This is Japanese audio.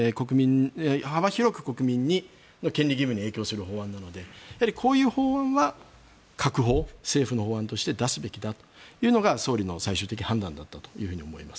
幅広く国民の権利義務に影響する法案なのでこういう法案は閣法政府の法案として出すべきだというのが総理の最終的判断だったと思います。